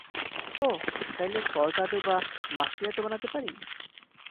ওহ, চাইলে কর্টাডো বা মাশিয়াটো বানাতে পারি?